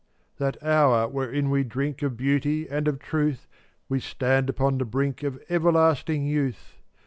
444 That hour wherein we drink Of beauty and of truth We stand upon the brink Of everlasting youth.